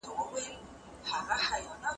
وچه غواوه نور یې نه وه کمالونه